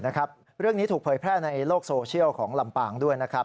เรื่องนี้ถูกเผยแพร่ในโลกโซเชียลของลำปางด้วยนะครับ